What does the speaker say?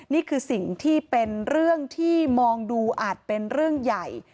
นี่คือสิ่งที่เป็นเรื่องที่มองดูอาจเป็นเรื่องใหญ่